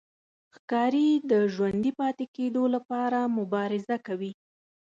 ښکاري د ژوندي پاتې کېدو لپاره مبارزه کوي.